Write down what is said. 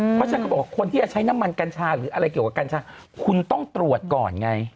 เพราะฉะนั้นเขาบอกว่าคนที่จะใช้น้ำมันกัญชาหรืออะไรเกี่ยวกับกัญชาคุณต้องตรวจก่อนไง